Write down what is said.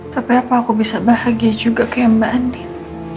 tapi apa aku bisa bahagia juga kayak mbak andin